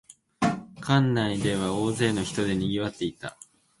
館内では大勢の人でにぎわっていた